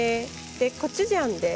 コチュジャンです。